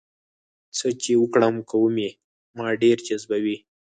څه چې وکړم کوم یې ما ډېر جذبوي؟